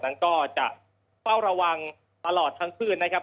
นั้นก็จะเฝ้าระวังตลอดทั้งคืนนะครับ